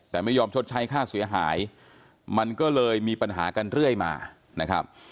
แต่ไม่ยอมชดใช้ค่าเสียหายมันก็เลยมีปัญหากันเรื่อยมานะครับ